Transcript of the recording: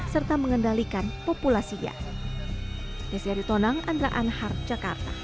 serta mengendalikan populasinya